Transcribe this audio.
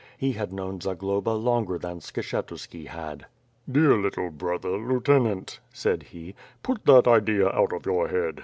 He had known Zagloba longer than Skshetuski had, "Dear little brother, Lieutenant,^' said he, "put that idea out of your head.